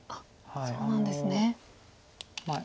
そうなんですね。